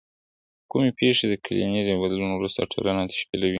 کومې پیښې د کلنیزې بدلون وروسته ټولنه تشکیلوي؟